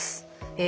え